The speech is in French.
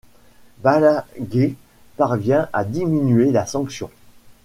Balaguer parvient à diminuer la sanction.